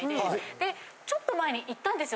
でちょっと前に行ったんですよ